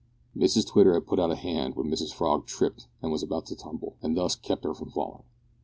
Mrs Twitter had put out a hand when Mrs Frog tripped and was about to tumble, and thus kept her from falling.